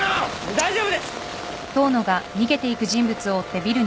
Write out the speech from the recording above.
大丈夫です！